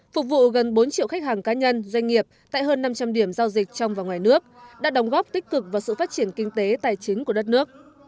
phục vụ gần bốn triệu khách hàng cá nhân doanh nghiệp tại hơn năm trăm linh điểm giao dịch trong và ngoài nước đã đồng góp tích cực vào sự phát triển kinh tế tài chính của đất nước